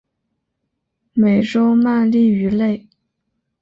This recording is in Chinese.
美洲鳗鲡鱼类。